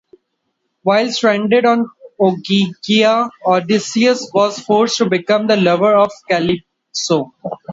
While stranded on Ogygia, Odysseus was forced to become the lover of Calypso.